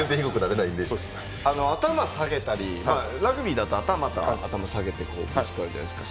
頭下げたり、ラグビーだと頭と頭、下げてやるじゃないですか。